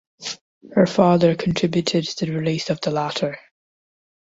Her father contributed to the release of the latter.